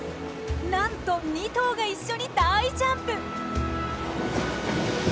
なんと２頭が一緒に大ジャンプ！